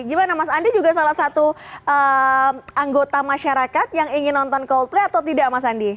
gimana mas andi juga salah satu anggota masyarakat yang ingin nonton coldplay atau tidak mas andi